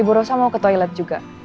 ibu rosa mau ke toilet juga